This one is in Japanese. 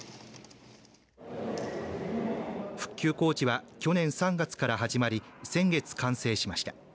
復旧工事は去年３月から始まり先月完成しました。